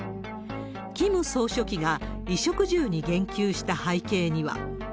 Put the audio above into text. キム総書記が衣食住に言及した背景には。